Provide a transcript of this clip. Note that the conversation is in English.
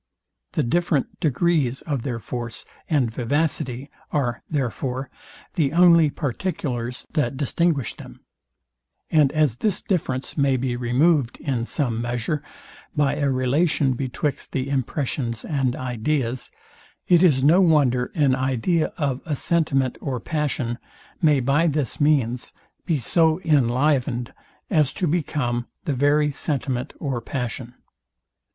The different degrees of their force and vivacity are, therefore, the only particulars, that distinguish them: And as this difference may be removed, in some measure, by a relation betwixt the impressions and ideas, it is no wonder an idea of a sentiment or passion, may by this means be inlivened as to become the very sentiment or passion.